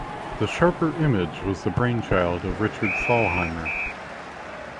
The Sharper Image was the brainchild of Richard Thalheimer.